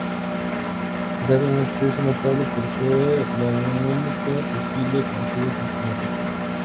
Se trata de una especie notable por ser la única cecilia conocida sin pulmones.